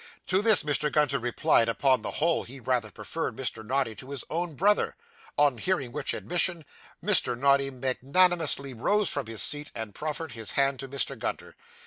To this Mr. Gunter replied that, upon the whole, he rather preferred Mr. Noddy to his own brother; on hearing which admission, Mr. Noddy magnanimously rose from his seat, and proffered his hand to Mr. Gunter.